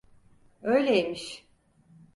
Öyleymiş.